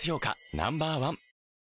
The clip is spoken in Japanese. Ｎｏ．１